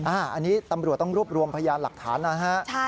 อันนี้ตำรวจต้องรวบรวมพยานหลักฐานนะฮะ